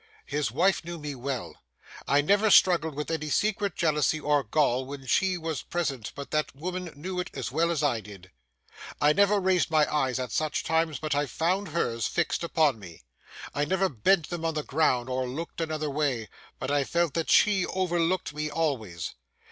His wife knew me well. I never struggled with any secret jealousy or gall when she was present but that woman knew it as well as I did. I never raised my eyes at such times but I found hers fixed upon me; I never bent them on the ground or looked another way but I felt that she overlooked me always.